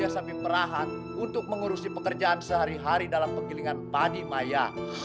biarkan dia sambil berperahan untuk mengurusi pekerjaan sehari hari dalam penggilingan badi maya